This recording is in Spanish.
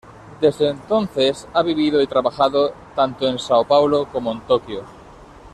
Desde entonces, ha vivido y trabajado tanto en São Paulo como en Tokio.